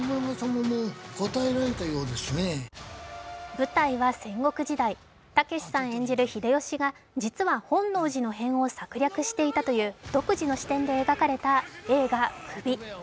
舞台は戦国時代、武さん演じる秀吉が実は本能寺の変を策略していたという独自の視点で描かれた映画「首」。